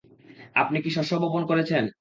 আপনি কী শস্য বপন করেছেন?